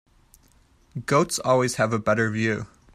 Goats always have a better view.